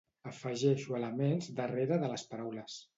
Afegeixo elements darrere de les paraules.